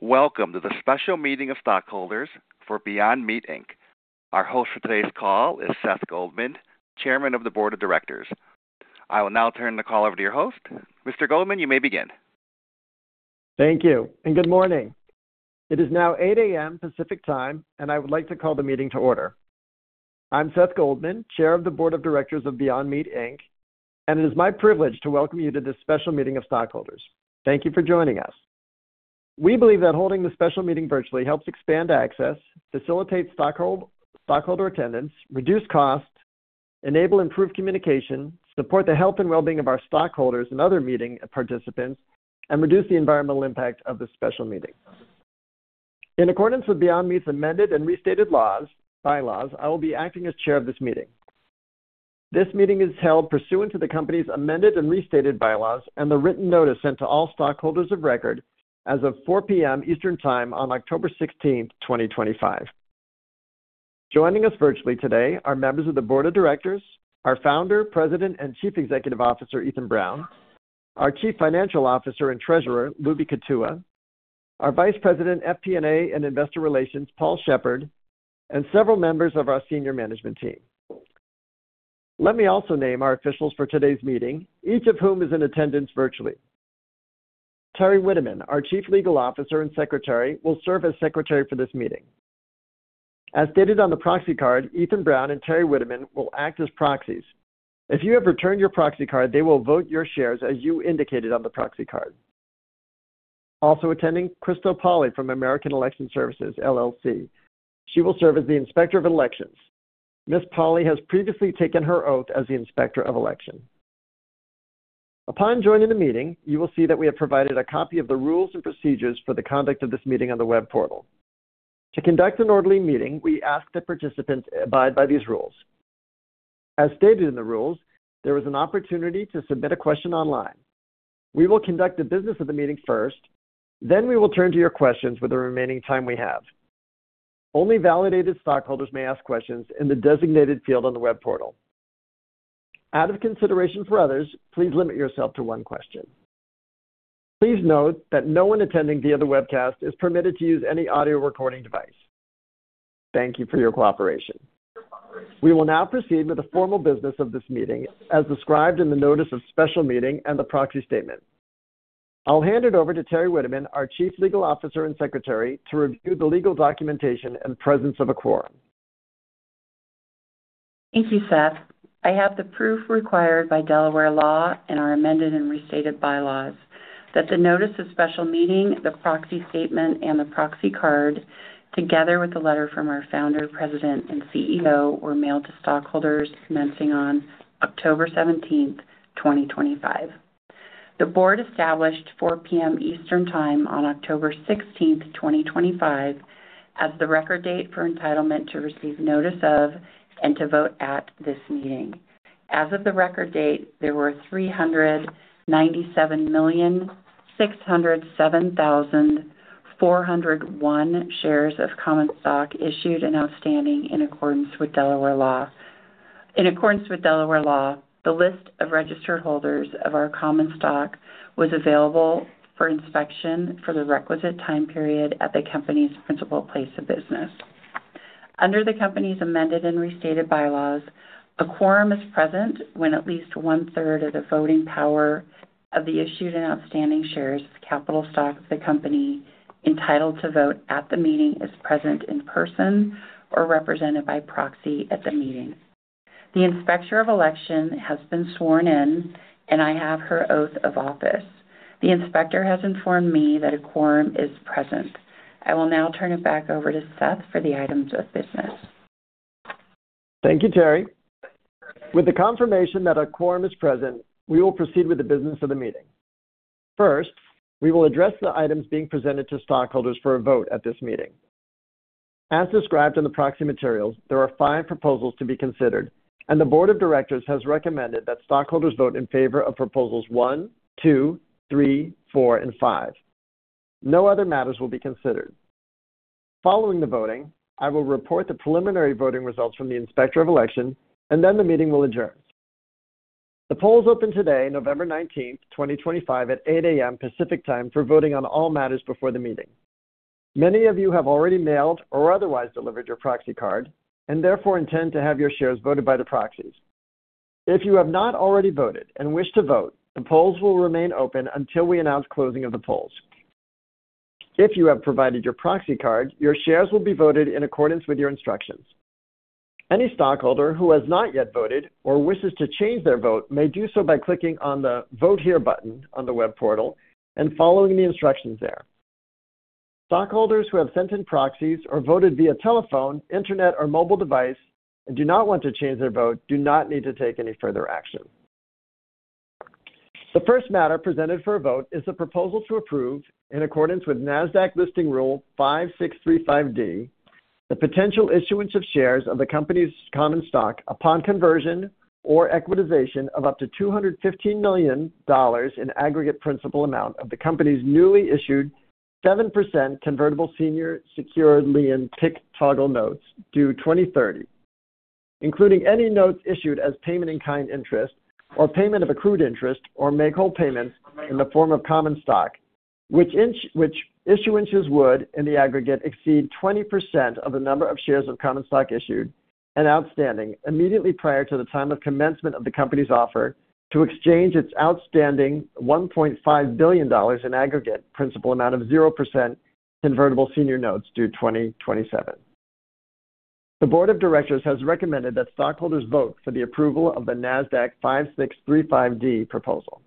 Welcome to the special meeting of stockholders for Beyond Meat. Our host for today's call is Seth Goldman, Chairman of the Board of Directors. I will now turn the call over to your host. Mr. Goldman, you may begin. Thank you, and good morning. It is now 8:00 A.M. Pacific time, and I would like to call the meeting to order. I'm Seth Goldman, Chair of the Board of Directors of Beyond Meat, and it is my privilege to welcome you to this special meeting of stockholders. Thank you for joining us. We believe that holding the special meeting virtually helps expand access, facilitate stockholder attendance, reduce costs, enable improved communication, support the health and well-being of our stockholders and other meeting participants, and reduce the environmental impact of this special meeting. In accordance with Beyond Meat's amended and restated bylaws, I will be acting as Chair of this meeting. This meeting is held pursuant to the company's amended and restated bylaws and the written notice sent to all stockholders of record as of 4:00 P.M. Eastern time on October 16, 2025. Joining us virtually today are members of the Board of Directors, our Founder, President, and Chief Executive Officer, Ethan Brown, our Chief Financial Officer and Treasurer, Lubi Kutua, our Vice President, FP&A and Investor Relations, Paul Sheppard, and several members of our senior management team. Let me also name our officials for today's meeting, each of whom is in attendance virtually. Teri Witteman, our Chief Legal Officer and Secretary, will serve as Secretary for this meeting. As stated on the proxy card, Ethan Brown and Teri Witteman will act as proxies. If you have returned your proxy card, they will vote your shares as you indicated on the proxy card. Also attending, Crystal Pauly from American Election Services, LLC. She will serve as the Inspector of Elections. Ms. Pauly has previously taken her oath as the Inspector of Elections. Upon joining the meeting, you will see that we have provided a copy of the rules and procedures for the conduct of this meeting on the web portal. To conduct an orderly meeting, we ask that participants abide by these rules. As stated in the rules, there is an opportunity to submit a question online. We will conduct the business of the meeting first, then we will turn to your questions with the remaining time we have. Only validated stockholders may ask questions in the designated field on the web portal. Out of consideration for others, please limit yourself to one question. Please note that no one attending via the webcast is permitted to use any audio recording device. Thank you for your cooperation. We will now proceed with the formal business of this meeting as described in the notice of special meeting and the proxy statement. I'll hand it over to Teri Witteman, our Chief Legal Officer and Secretary, to review the legal documentation in the presence of a quorum. Thank you, Seth. I have the proof required by Delaware law and our amended and restated bylaws that the notice of special meeting, the proxy statement, and the proxy card, together with the letter from our Founder, President, and CEO, were mailed to stockholders commencing on October 17, 2025. The board established 4:00 P.M. Eastern time on October 16, 2025, as the record date for entitlement to receive notice of and to vote at this meeting. As of the record date, there were 397,607,401 shares of common stock issued and outstanding in accordance with Delaware law. In accordance with Delaware law, the list of registered holders of our common stock was available for inspection for the requisite time period at the company's principal place of business. Under the company's amended and restated bylaws, a quorum is present when at least one-third of the voting power of the issued and outstanding shares of capital stock of the company entitled to vote at the meeting is present in person or represented by proxy at the meeting. The Inspector of Election has been sworn in, and I have her oath of office. The Inspector has informed me that a quorum is present. I will now turn it back over to Seth for the items of business. Thank you, Teri. With the confirmation that a quorum is present, we will proceed with the business of the meeting. First, we will address the items being presented to stockholders for a vote at this meeting. As described in the proxy materials, there are five proposals to be considered, and the Board of Directors has recommended that stockholders vote in favor of proposals one, two, three, four, and five. No other matters will be considered. Following the voting, I will report the preliminary voting results from the Inspector of Election, and then the meeting will adjourn. The polls open today, November 19, 2025, at 8:00 A.M. Pacific time for voting on all matters before the meeting. Many of you have already mailed or otherwise delivered your proxy card and therefore intend to have your shares voted by the proxies. If you have not already voted and wish to vote, the polls will remain open until we announce closing of the polls. If you have provided your proxy card, your shares will be voted in accordance with your instructions. Any stockholder who has not yet voted or wishes to change their vote may do so by clicking on the Vote Here button on the web portal and following the instructions there. Stockholders who have sent in proxies or voted via telephone, internet, or mobile device and do not want to change their vote do not need to take any further action. The first matter presented for a vote is the proposal to approve, in accordance with NASDAQ Listing Rule 5635D, the potential issuance of shares of the company's common stock upon conversion or equitization of up to $215 million in aggregate principal amount of the company's newly issued 7% convertible senior secured lien pick toggle notes due 2030, including any notes issued as payment in kind interest or payment of accrued interest or make-whole payments in the form of common stock, which issuance would in the aggregate exceed 20% of the number of shares of common stock issued and outstanding immediately prior to the time of commencement of the company's offer to exchange its outstanding $1.5 billion in aggregate principal amount of 0% convertible senior notes due 2027. The Board of Directors has recommended that stockholders vote for the approval of the NASDAQ 5635D proposal.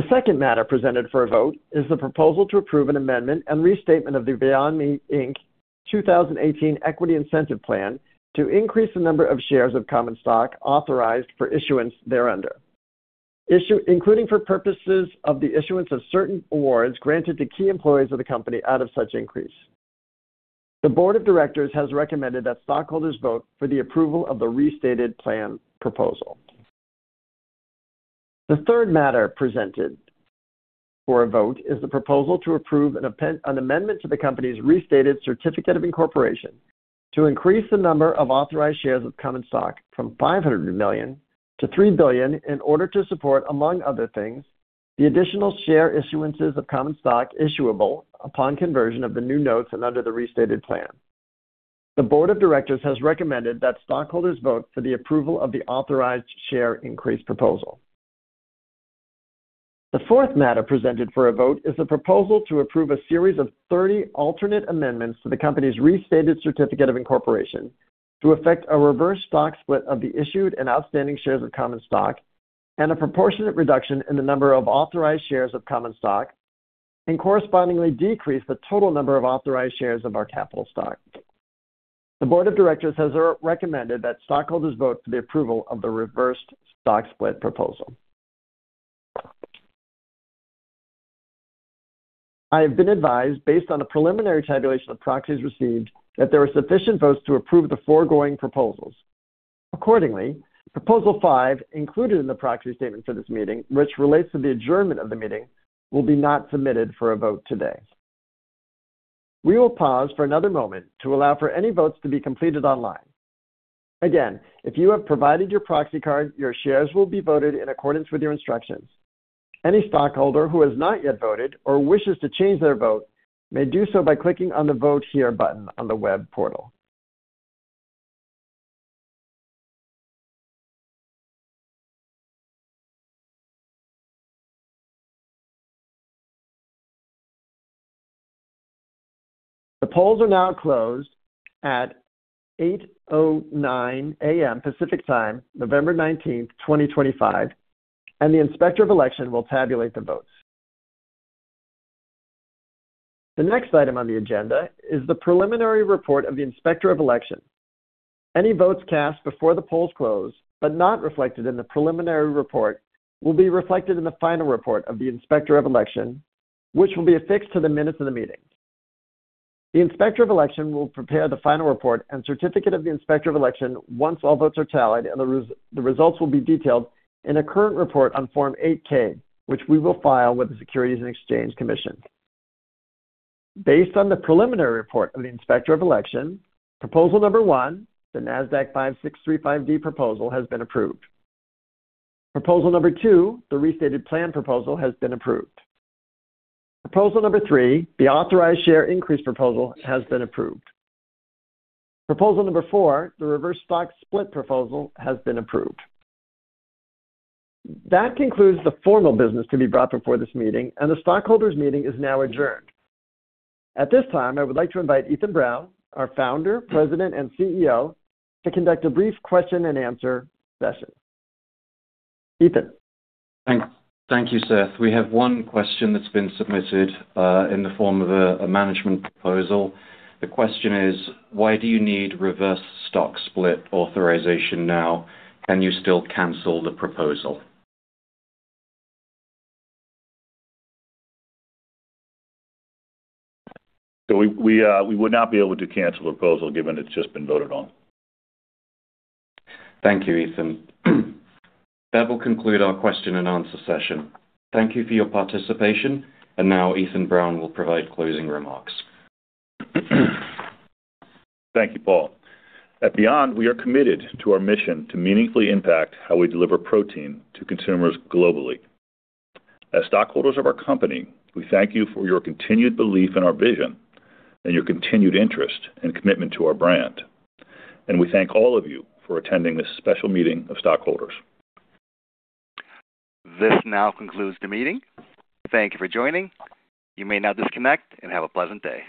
The second matter presented for a vote is the proposal to approve an amendment and restatement of the Beyond Meat 2018 equity incentive plan to increase the number of shares of common stock authorized for issuance thereunder, including for purposes of the issuance of certain awards granted to key employees of the company out of such increase. The Board of Directors has recommended that stockholders vote for the approval of the restated plan proposal. The third matter presented for a vote is the proposal to approve an amendment to the company's restated certificate of incorporation to increase the number of authorized shares of common stock from 500 million to 3 billion in order to support, among other things, the additional share issuances of common stock issuable upon conversion of the new notes and under the restated plan. The Board of Directors has recommended that stockholders vote for the approval of the authorized share increase proposal. The fourth matter presented for a vote is the proposal to approve a series of 30 alternate amendments to the company's restated certificate of incorporation to effect a reverse stock split of the issued and outstanding shares of common stock and a proportionate reduction in the number of authorized shares of common stock and correspondingly decrease the total number of authorized shares of our capital stock. The Board of Directors has recommended that stockholders vote for the approval of the reverse stock split proposal. I have been advised, based on the preliminary tabulation of proxies received, that there are sufficient votes to approve the foregoing proposals. Accordingly, proposal five included in the proxy statement for this meeting, which relates to the adjournment of the meeting, will not be submitted for a vote today. We will pause for another moment to allow for any votes to be completed online. Again, if you have provided your proxy card, your shares will be voted in accordance with your instructions. Any stockholder who has not yet voted or wishes to change their vote may do so by clicking on the Vote Here button on the web portal. The polls are now closed at 8:09 A.M. Pacific time, November 19, 2025, and the Inspector of Election will tabulate the votes. The next item on the agenda is the preliminary report of the Inspector of Election. Any votes cast before the polls close but not reflected in the preliminary report will be reflected in the final report of the Inspector of Election, which will be affixed to the minutes of the meeting. The Inspector of Election will prepare the final report and certificate of the Inspector of Election once all votes are tallied, and the results will be detailed in a current report on Form 8-K, which we will file with the Securities and Exchange Commission. Based on the preliminary report of the Inspector of Election, Proposal number one, the NASDAQ Listing Rule 5635D proposal, has been approved. Proposal number two, the restated plan proposal, has been approved. Proposal number three, the authorized share increase proposal, has been approved. Proposal number four, the reverse stock split proposal, has been approved. That concludes the formal business to be brought before this meeting, and the stockholders' meeting is now adjourned. At this time, I would like to invite Ethan Brown, our Founder, President, and CEO, to conduct a brief question-and-answer session. Ethan. Thank you, Seth. We have one question that's been submitted in the form of a management proposal. The question is, why do you need reverse stock split authorization now? Can you still cancel the proposal? We would not be able to cancel the proposal given it's just been voted on. Thank you, Ethan. That will conclude our question-and-answer session. Thank you for your participation, and now Ethan Brown will provide closing remarks. Thank you, Paul. At Beyond, we are committed to our mission to meaningfully impact how we deliver protein to consumers globally. As stockholders of our company, we thank you for your continued belief in our vision and your continued interest and commitment to our brand. We thank all of you for attending this special meeting of stockholders. This now concludes the meeting. Thank you for joining. You may now disconnect and have a pleasant day.